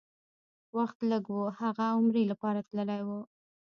وخت لږ و، هغه عمرې لپاره تللی و.